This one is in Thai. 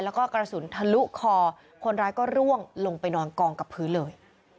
แล้วก็กระสุนทะลุคอคนร้ายก็ร่วงลงไปนอนกองกับพื้นเลย